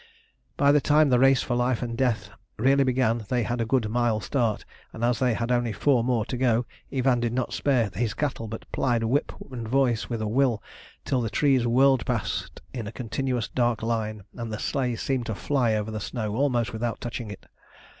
By the time the race for life or death really began they had a good mile start, and as they had only four more to go Ivan did not spare his cattle, but plied whip and voice with a will till the trees whirled past in a continuous dark line, and the sleigh seemed to fly over the snow almost without touching it.